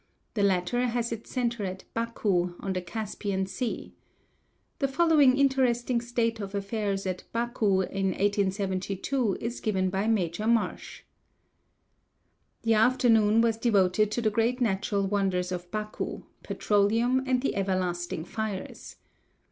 The latter has its center at Baku, on the Caspian Sea. The following interesting state of affairs at Baku in 1872 is given by Major Marsh: "The afternoon was devoted to the great natural wonders of Baku, petroleum and the everlasting fires.